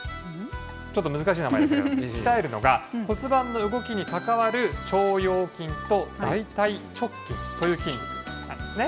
ちょっと難しい名前ですけど、鍛えるのが、骨盤の動きに関わる腸腰筋と大腿直筋という筋肉なんですね。